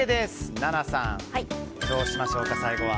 ナナさんどうしましょうか最後は。